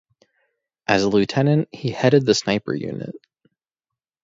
As a lieutenant, he headed the sniper unit.